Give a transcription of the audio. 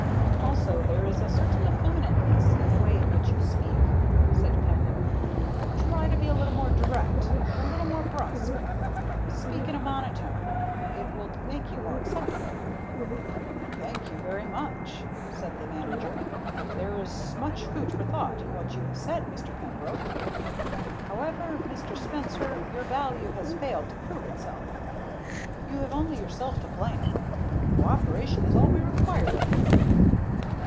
"Also, there is a certain effeminateness in the way in which you speak," said Pembroke. "Try to be a little more direct, a little more brusque. Speak in a monotone. It will make you more acceptable." "Thank you so much," said the manager. "There is much food for thought in what you have said, Mr. Pembroke. However, Mr. Spencer, your value has failed to prove itself. You have only yourself to blame. Cooperation is all we require of you."